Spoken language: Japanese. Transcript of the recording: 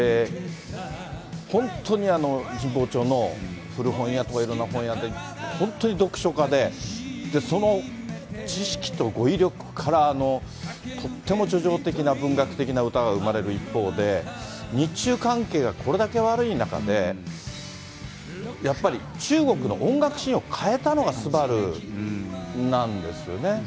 本当に神保町の古本屋とかいろんな本屋で、本当に読書家で、その知識と語彙力からの、とっても叙情的な文学的な歌が生まれる一方で、日中関係がこれだけ悪い中で、やっぱり中国の音楽シーンを変えたのが昴なんですよね。